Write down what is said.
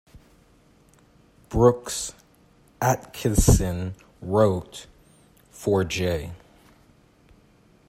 Brooks Atkinson wrote: For 'J.